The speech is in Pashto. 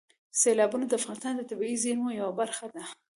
سیلابونه د افغانستان د طبیعي زیرمو یوه برخه ده.